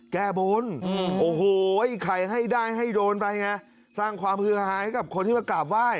แก้บนโอ้โหไอ้ไข่ให้ได้ให้โดนไปไงสร้างความฮือหาให้กับคนที่มากราบไหว้